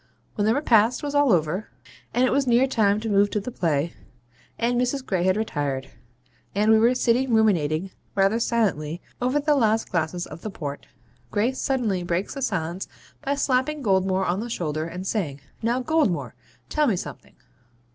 When the repast was all over, and it was near time to move to the play, and Mrs. Gray had retired, and we were sitting ruminating rather silently over the last glasses of the port, Gray suddenly breaks the silence by slapping Goldmore on the shoulder, and saying, 'Now, Goldmore, tell me something.'